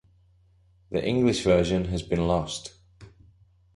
The English version has been lost.